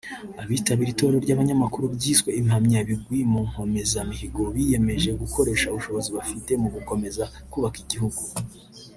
Abitabriye itorero ry’abanyamakuru ryiswe ‘Impamyabigwi mu nkomezamihigo’ biyemeje gukoresha ubushobozi bafite mu gukomeza kubaka igihugu